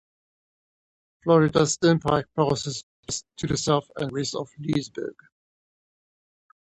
Florida's Turnpike passes just to the south and west of Leesburg.